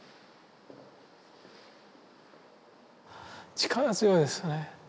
力強いですね。